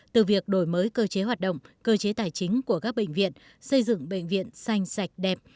từ việc đổi mới cơ chế hoạt động cơ chế tài chính của các bệnh viện xây dựng bệnh viện xanh sạch đẹp